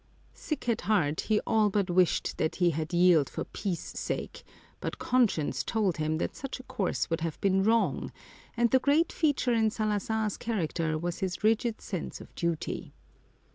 Sick at heart, he all but wished that he had yielded for peace sake, but conscience told him that such a course would have been wrong ; and the great feature in Salazar's character was his rigid sense of duty.